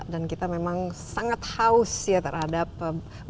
dan kita memang sangat haus ya terhadap berita